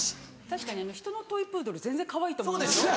確かにひとのトイプードル全然かわいいと思わない。